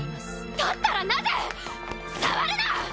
だったらなぜ⁉触るな！